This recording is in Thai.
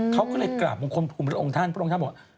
เขาก็เลยกราบพระองค์ท่านพระองค์ท่านบอก